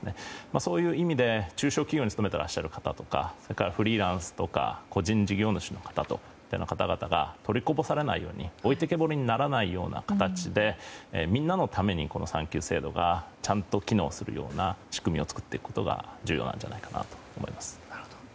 そういう意味で中小企業に勤めていらっしゃる方とかそれからフリーランスとか個人事業主の方が取りこぼされないように置いてけぼりにならないような形でみんなのために産休制度がちゃんと機能するような仕組みを作っていくことが重要だと思います。